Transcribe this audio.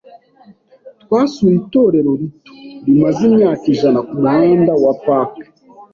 Twasuye itorero rito, rimaze imyaka ijana kumuhanda wa Park.